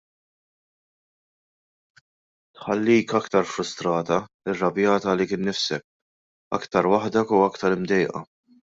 Tħallik aktar frustrata, irrabjata għalik innifsek, aktar waħdek u aktar imdejqa.